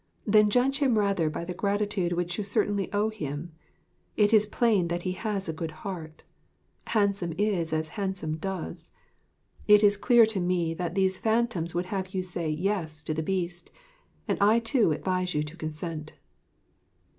Then judge him rather by the gratitude which you certainly owe him. It is plain that he has a good heart "handsome is as handsome does" it is clear to me that these phantoms would have you say "Yes" to the Beast, and I too advise you to consent.'